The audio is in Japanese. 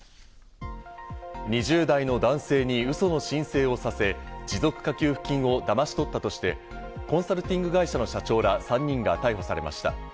２０代の男性にウソの申請をさせ、持続化給付金をだまし取ったとして、コンサルティング会社の社長ら３人が逮捕されました。